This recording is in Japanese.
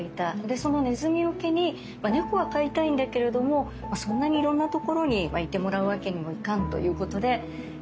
でそのねずみよけに猫は飼いたいんだけれどもそんなにいろんなところにいてもらうわけにもいかんということで。